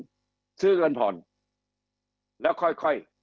คำอภิปรายของสอสอพักเก้าไกลคนหนึ่ง